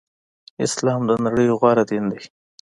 اسلام د نړی غوره دین دی.